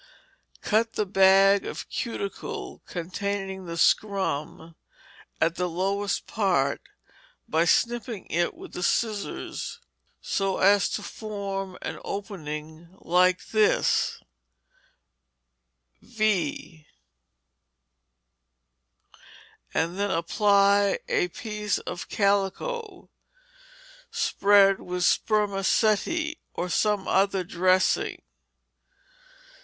_ Cut the bag of cuticle containing the scrum at the lowest part, by snipping it with the scissors, so as to form an opening like this V; and then apply a piece of calico, spread with spermaceti or some other dressing.